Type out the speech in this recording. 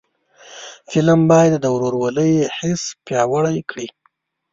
فلم باید د ورورولۍ حس پیاوړی کړي